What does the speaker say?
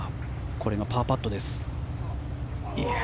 これがパーパットです。